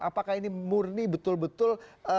apakah ini murni betul betul